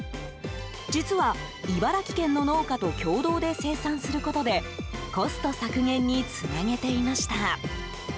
実は、茨城県の農家と共同で生産することでコスト削減につなげていました。